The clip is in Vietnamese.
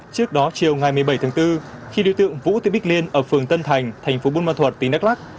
trước đó chiều ngày một mươi bảy tháng bốn khi điều tượng vũ tuyết bích liên ở phường tân thành thành phố bùn ma thuật tỉnh đắk lắc